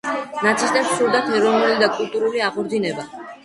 ნაცისტებს სურდათ ეროვნული და კულტურული აღორძინება.